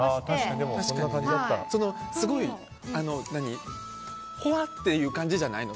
でも、すごいほわっていう感じじゃないの。